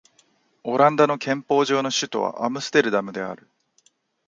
オランダの憲法上の首都はアムステルダムである